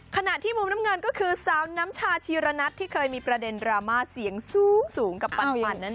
ขณะที่มุมน้ำเงินก็คือสาวน้ำชาชีระนัทที่เคยมีประเด็นดราม่าเสียงสูงกับปันนั่นเอง